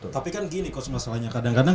tapi kan gini coach masalahnya kadang kadang